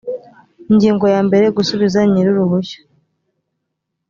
ingingo ya mbere gusubiza nyir uruhushya